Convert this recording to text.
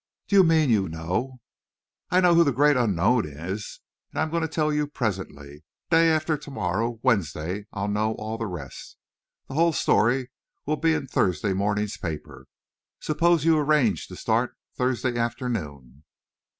"Do you mean you know...." "I know who the Great Unknown is, and I'm going to tell you presently. Day after to morrow Wednesday I'll know all the rest. The whole story will be in Thursday morning's paper. Suppose you arrange to start Thursday afternoon."